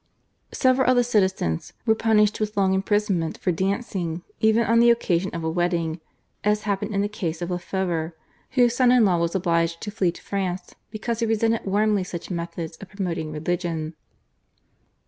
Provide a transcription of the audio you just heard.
Several of the citizens were punished with long imprisonment for dancing even on the occasion of a wedding, as happened in the case of Le Fevre, whose son in law was obliged to flee to France because he resented warmly such methods of promoting religion.